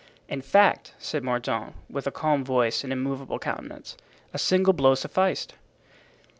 "In fact," said Mordaunt, with a calm voice and immovable countenance, "a single blow sufficed."